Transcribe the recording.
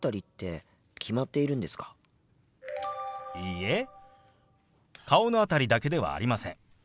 いいえ顔の辺りだけではありません。